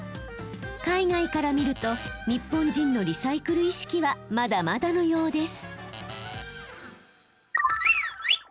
海外から見ると日本人のリサイクル意識はまだまだのようです。